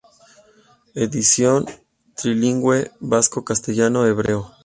Edición trilingue:vasco, castellano, hebreo.